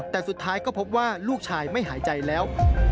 แต่สุดท้ายก็พบว่าลูกชายไม่หายใจแล้ว